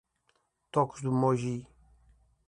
Tocos do Moji